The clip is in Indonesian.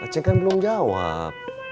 ceng kan belum jawab